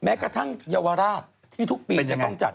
แม้กระทั่งเยาวราชที่ทุกปีจะต้องจัด